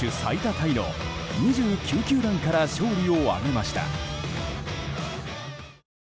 タイの２９球団から勝利を挙げました。